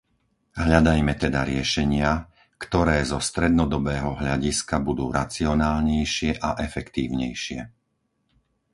Hľadajme teda riešenia, ktoré zo strednodobého hľadiska budú racionálnejšie a efektívnejšie.